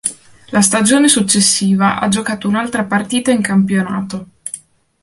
La stagione successiva ha giocato un'altra partita in campionato.